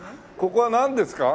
ここはなんですか？